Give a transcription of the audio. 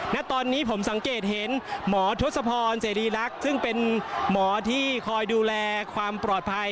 ณตอนนี้ผมสังเกตเห็นหมอทศพรเสรีรักษ์ซึ่งเป็นหมอที่คอยดูแลความปลอดภัย